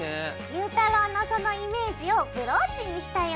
ゆうたろうのそのイメージをブローチにしたよ。